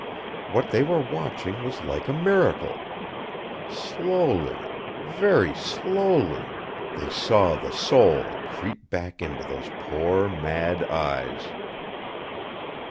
What they were watching was like a miracle. Slowly, very slowly, they saw the soul creep back into those poor, mad eyes.